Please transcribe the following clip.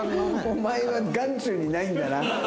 お前は眼中にないんだな。